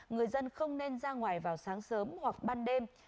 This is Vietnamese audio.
người dân không nên ra ngoài vào sáng sớm hoặc ban đêm